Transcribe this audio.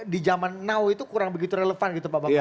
di zaman now itu kurang begitu relevan gitu pak bambang